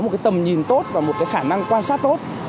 một tầm nhìn tốt và một khả năng quan sát tốt